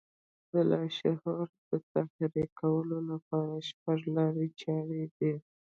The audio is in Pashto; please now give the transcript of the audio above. د لاشعور د تحريکولو لپاره شپږ لارې چارې دي.